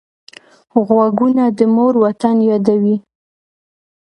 غوږونه د مور وطن یادوي